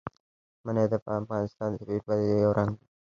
منی د افغانستان د طبیعي پدیدو یو رنګ دی.